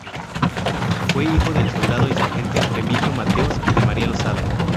Fue hijo del soldado insurgente Remigio Mateos y de María Lozada.